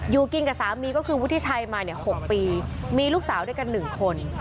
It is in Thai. อยู่กินกับสามีก็คือวุฒิชัยมา๖ปีมีลูกสาวด้วยกัน๑คน